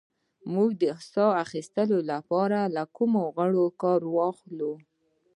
موږ د ساه اخیستلو لپاره له کومو غړو کار اخلو